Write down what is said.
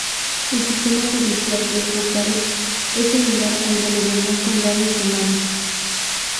El sistema judicial de Bucarest es similar al de los demás condados rumanos.